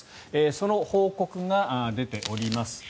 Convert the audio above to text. その報告が出ております。